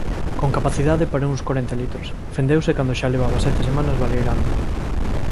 con capacidade para uns corenta litros, fendeuse cando xa levaba sete semanas baleirándoo.